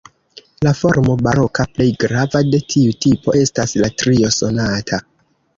La formo baroka plej grava de tiu tipo estas la trio sonata.